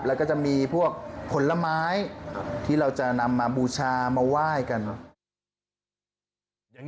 แล้วก็จะมีพวกผลไม้ที่เราจะนำมาบูชามาไหว้กัน